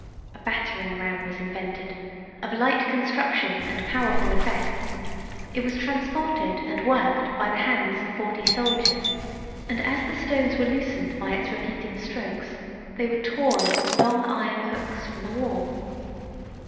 A battering ram was invented, of light construction and powerful effect: it was transported and worked by the hands of forty soldiers; and as the stones were loosened by its repeated strokes, they were torn with long iron hooks from the wall.